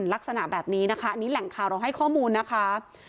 ลักษณะแบบนี้นะคะอันนี้แหล่งข่าวเราให้ข้อมูลนะคะ